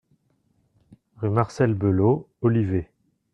Rue Marcel Belot, Olivet